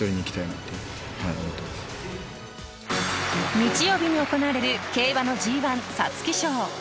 日曜日に行われる競馬のＧ１皐月賞。